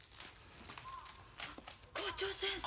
校長先生。